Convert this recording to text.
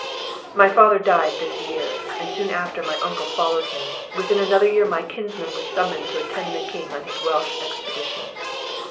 My father died this year, and soon after my uncle followed him; within another year my kinsman was summoned to attend the king on his Welch expedition.